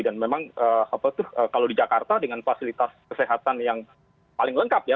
dan memang kalau di jakarta dengan fasilitas kesehatan yang paling lengkap ya